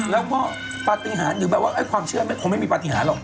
แล้วก็ปฏิหารหรือแบบว่าความเชื่อไม่คงไม่มีปฏิหารหรอก